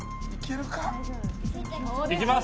いきます！